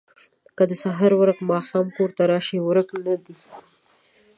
که د سهار ورک ماښام کور ته راشي، ورک نه دی.